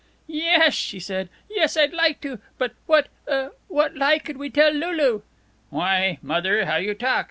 "Yes," she said, "yes. I'd like to. But what uh what lie could we tell Lulu?" "Why, Mother, how you talk!